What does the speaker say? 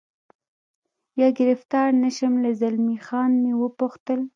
یا ګرفتار نه شم، له زلمی خان مې و پوښتل.